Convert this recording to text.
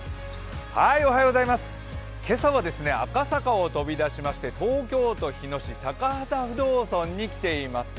今朝は赤坂を飛び出しまして東京都日野市、高幡不動尊に来ています。